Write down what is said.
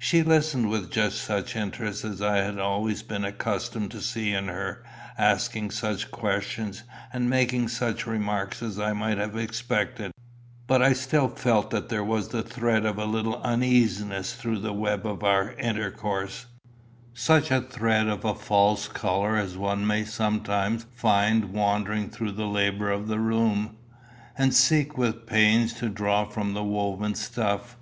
She listened with just such interest as I had always been accustomed to see in her, asking such questions, and making such remarks as I might have expected, but I still felt that there was the thread of a little uneasiness through the web of our intercourse, such a thread of a false colour as one may sometimes find wandering through the labour of the loom, and seek with pains to draw from the woven stuff.